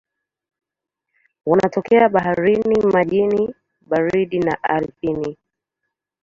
Wanatokea baharini, majini baridi na ardhini.